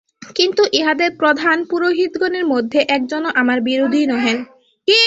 কিন্তু ইহাদের প্রধান প্রধান পুরোহিতগণের মধ্যে একজনও আমার বিরোধী নহেন।